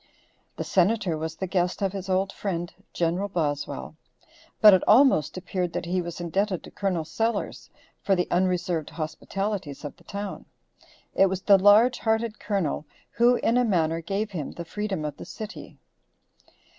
The Senator was the guest of his old friend Gen. Boswell, but it almost appeared that he was indebted to Col. Sellers for the unreserved hospitalities of the town. It was the large hearted Colonel who, in a manner, gave him the freedom of the city.